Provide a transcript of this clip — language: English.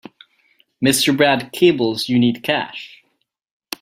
Mr. Brad cables you need cash.